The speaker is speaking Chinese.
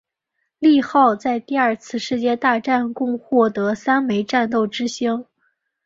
利号在第二次世界大战共获得三枚战斗之星。